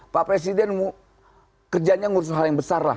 pak presiden kerjanya ngurus hal yang besar lah